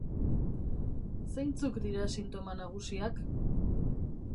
Zeintzuk dira sintoma nagusiak?